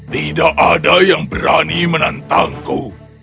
tidak ada yang berani menantangku